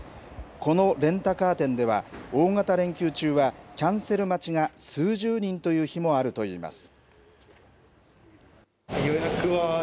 このレンタカー店では、大型連休中は、キャンセル待ちが数十人という日もあるといいます。